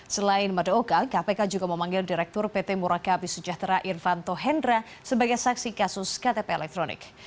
selain madaoka kpk juga memanggil direktur pt murakabi sejahtera irvanto hendra sebagai saksi kasus ktp elektronik